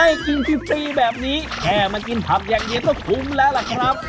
ให้กินฟรีแบบนี้แค่มากินผักอย่างเดียวก็คุ้มแล้วล่ะครับ